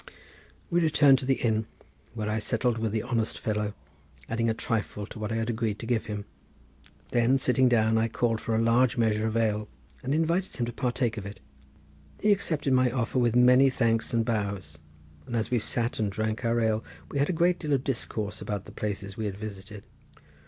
We returned to the inn where I settled with the honest fellow, adding a trifle to what I had agreed to give him. Then sitting down I called for a large measure of ale and invited him to partake of it. He accepted my offer with many thanks and bows, and as we sat and drank our ale we had a great deal of discourse about the places we had visited.